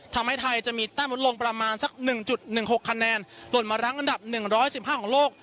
ทำให้ไทยจะมีแต้มลดลงประมาณสัก๑๑๖คะแนนหล่นมารั้งอันดับ๑๑๕ของโลก